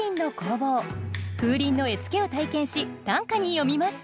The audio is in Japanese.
風鈴の絵付けを体験し短歌に詠みます